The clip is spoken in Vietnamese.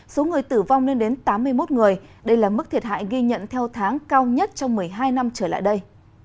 số người tử vong lên đến tám mươi một người đây là mức thiệt hại ghi nhận theo tháng cao nhất trong một mươi hai năm trở lại đây